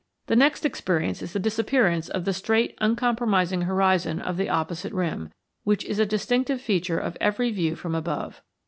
The next experience is the disappearance of the straight uncompromising horizon of the opposite rim, which is a distinctive feature of every view from above.